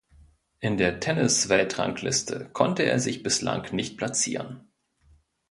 In der Tennisweltrangliste konnte er sich bislang nicht platzieren.